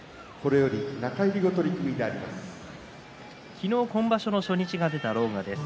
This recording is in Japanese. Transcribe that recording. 昨日、今場所の初日が出た狼雅です。